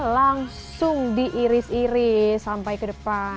langsung diiris iris sampai ke depan